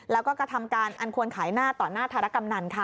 แล้วก็กระทำการอันควรขายหน้าต่อหน้าธารกำนันค่ะ